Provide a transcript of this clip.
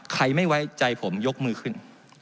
ไม่ไว้ใจผมยกมือขึ้น